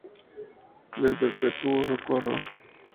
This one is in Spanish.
Del Perpetuo Socorro.